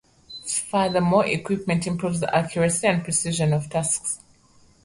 Furthermore, equipment improves the accuracy and precision of tasks.